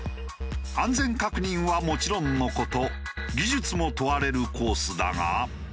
安全確認はもちろんの事技術も問われるコースだが。